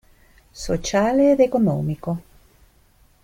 Sociale ed economico.